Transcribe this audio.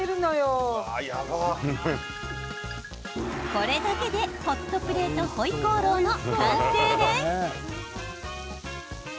これだけでホットプレートホイコーローの完成です。